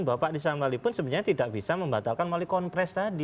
bahwa pak nislam lali pun sebenarnya tidak bisa membatalkan melalui kompres tadi